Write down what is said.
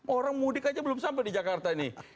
orang mudik aja belum sampai di jakarta ini